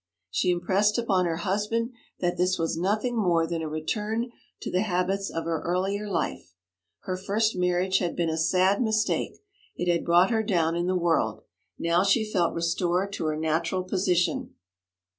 She impressed upon her husband that this was nothing more than a return to the habits of her earlier life. Her first marriage had been a sad mistake; it had brought her down in the world. Now she felt restored to her natural position.